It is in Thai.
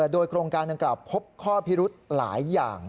โดยโครงการดังกล่าวพบข้อพิรุธหลายอย่าง